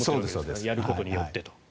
やることによってと。